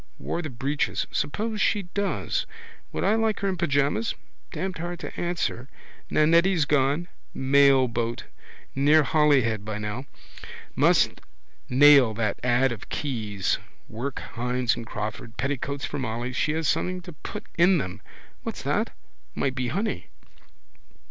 Wore the breeches. Suppose she does? Would I like her in pyjamas? Damned hard to answer. Nannetti's gone. Mailboat. Near Holyhead by now. Must nail that ad of Keyes's. Work Hynes and Crawford. Petticoats for Molly. She has something to put in them. What's that? Might be money.